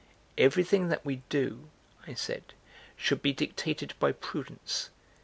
"Everything that we do," I said, "should be dictated by Prudence.)